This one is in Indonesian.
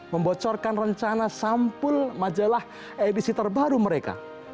membocorkan rencana sampul majalah edisi terbaru mereka